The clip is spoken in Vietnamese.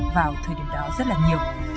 vào thời điểm đó rất là nhiều